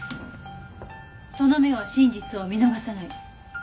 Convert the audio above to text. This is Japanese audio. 「その眼は真実を見逃さない」